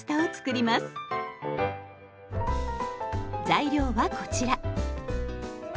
材料はこちら。